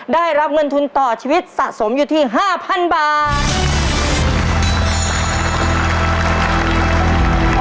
ได้รับเงินทุนต่อชีวิตสะสมอยู่ที่๕๐๐๐บาท